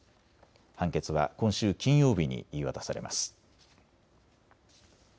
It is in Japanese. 判決は今週金曜日に言い渡されます。